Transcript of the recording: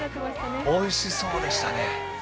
おいしそうでしたね。